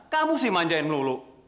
kamu sih manjain melulu